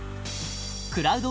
クラウド